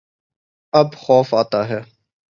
اب خوف آتا ہے